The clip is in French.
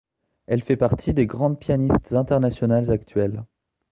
Elle fait partie des grandes pianistes internationales actuelles.